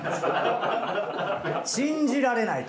信じられないと？